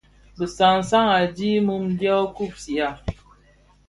Bi san san a di mum dyō kpusiya.